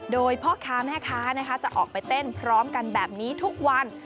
โดยพ่อค้าแม่ค้าจะออกไปเต้นพร้อมกันแบบนี้ทุกวัน